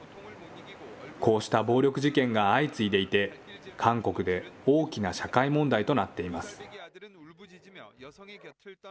こうした暴力事件が相次いでいて、韓国で大きな社会問題となっています。